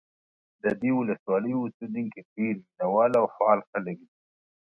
د دې ولسوالۍ اوسېدونکي ډېر مینه وال او فعال خلک دي.